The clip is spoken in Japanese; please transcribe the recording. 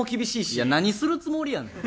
いや何するつもりやねん？